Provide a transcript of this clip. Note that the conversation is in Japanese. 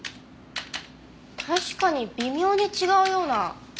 確かに微妙に違うような。